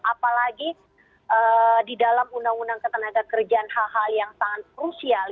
apalagi di dalam undang undang ketenagakerjaan hal hal yang sangat crucial